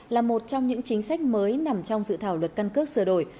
là một trong những chính sách mới nằm trong dự thảo luật căn cước sửa đổi